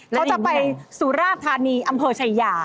เขาจะไปสุราธานีอำเภอชายา